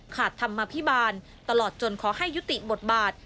ขาดทำอภิบาลตลอดจนขอให้ยุติบทบาท